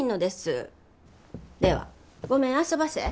ではごめんあそばせ。